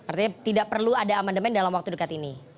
artinya tidak perlu ada amandemen dalam waktu dekat ini